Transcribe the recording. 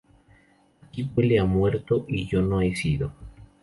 Aquí huele a muerto y yo no he sido